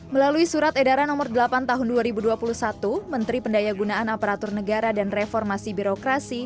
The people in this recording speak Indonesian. melalui surat edaran nomor delapan tahun dua ribu dua puluh satu menteri pendaya gunaan aparatur negara dan reformasi birokrasi